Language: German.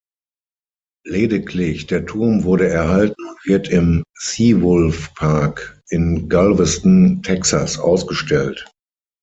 Lediglich der Turm wurde erhalten und wird im "Seawolf Park" in Galveston, Texas ausgestellt.